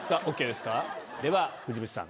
では藤渕さん